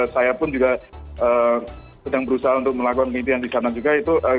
saya pun juga sedang berusaha untuk melakukan penelitian di sana juga